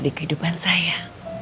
di kehidupan saya